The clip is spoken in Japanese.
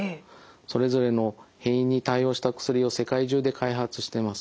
それぞれの変異に対応した薬を世界中で開発しています。